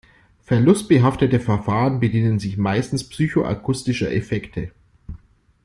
Verlustbehaftete Verfahren bedienen sich meistens psychoakustischer Effekte.